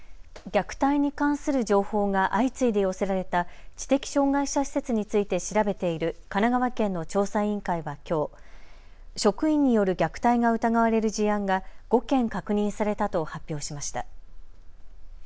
虐待に関する情報が相次いで寄せられた知的障害者施設について調べている神奈川県の調査委員会はきょう、職員による虐待が疑われる事案が５件確認されたと発表しました。